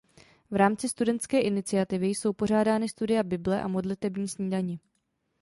V rámci studentské iniciativy jsou pořádány studia Bible a modlitební snídaně.